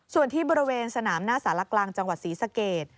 ส่วนที่บริเวณสนามหน้าสารกลางจังหวัดศรีสเกต